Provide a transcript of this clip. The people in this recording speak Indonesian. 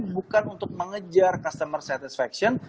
bukan untuk mengejar customer satisfaction